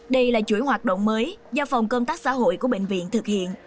đây là chuỗi hoạt động mới do phòng công tác xã hội của bệnh viện thực hiện